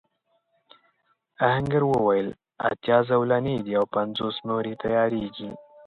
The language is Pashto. آهنګر وویل اتيا زولنې دي او پنځوس نورې تياریږي.